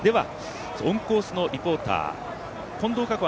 オンコースのリポーター近藤夏子